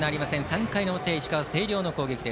３回の表、石川・星稜の攻撃。